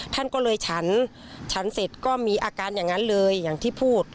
ท่านก็เลยฉันฉันเสร็จก็มีอาการอย่างนั้นเลยอย่างที่พูด